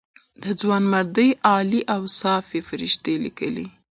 د ځوانمردۍ عالي اوصاف یې فرښتې لیکلې.